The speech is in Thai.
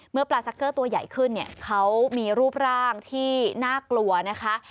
ปลาซักเกอร์ตัวใหญ่ขึ้นเนี่ยเขามีรูปร่างที่น่ากลัวนะคะ